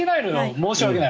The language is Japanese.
申し訳ない。